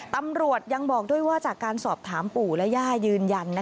ตำรวจยังบอกด้วยว่าจากการสอบถามปู่และย่ายืนยัน